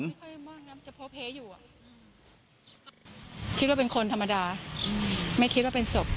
ไม่คิดว่าเป็นคนธรรมดาไม่คิดว่าเป็นศพ